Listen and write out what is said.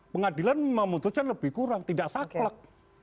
pengadilan memutuskan lebih kurang tidak saklek